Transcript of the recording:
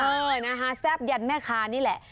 เออนะคะแซ่บยันแม่ค้านี่แหละ